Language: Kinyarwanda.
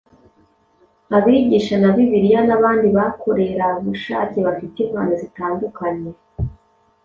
abigisha ba Bibiliya n’abandi bakorerabushake bafite impano zitandukanye